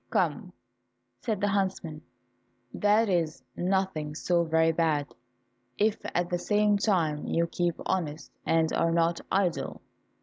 "Come," said the huntsman, "that is nothing so very bad, if at the same time you keep honest, and are not idle."